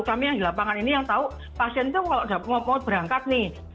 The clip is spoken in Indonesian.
kami yang di lapangan ini yang tahu pasien itu kalau mau berangkat nih